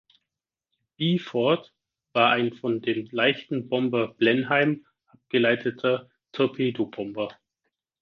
Die Beaufort war ein von dem leichten Bomber Blenheim abgeleiteter Torpedobomber.